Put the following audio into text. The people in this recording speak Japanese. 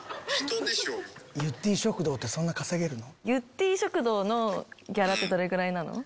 『ゆってぃ食堂』ってそんな稼げるの？